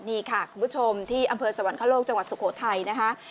นี่ค่ะคุณผู้ชมที่อำเภอสวรรคโลกจังหวัดสุโขทัยนะคะ